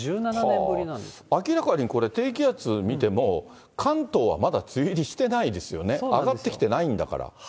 明らかにこれ、低気圧見ても、関東はまだ梅雨入りしてないですよね、上がってきてないんだから。